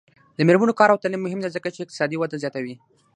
د میرمنو کار او تعلیم مهم دی ځکه چې اقتصادي وده زیاتوي.